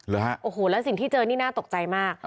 แล้วสิ่งที่เจอนี่น่าตกใจมาก